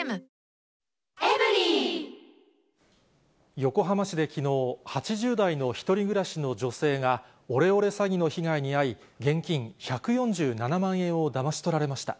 横浜市できのう、８０代の一人暮らしの女性が、オレオレ詐欺の被害に遭い、現金１４７万円をだまし取られました。